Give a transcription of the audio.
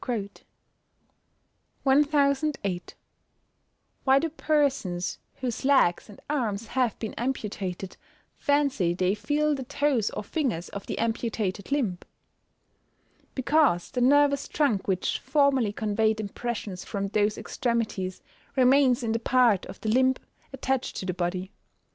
Why do persons whose legs and arms have been amputated fancy they feel the toes or fingers of the amputated limb? Because the nervous trunk which formerly conveyed impressions from those extremities remains in the part of the limb attached to the body.